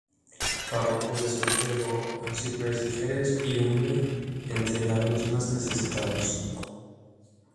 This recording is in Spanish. Párroco de Santiago, Arcipreste de Jerez y hombre entregado a los más necesitados.